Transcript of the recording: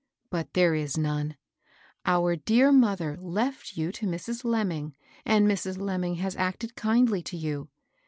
But there is none. Our dear mother left you to Mrs. Lemming, and Mrs. Lemming has acted kindly to you.